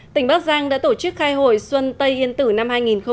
tỉnh bắc giang đã tổ chức khai hội xuân tây yên tử năm hai nghìn một mươi tám